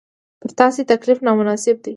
پر تاسو تکلیف نامناسب دی.